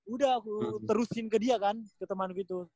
udah aku terusin ke dia kan ke temanku itu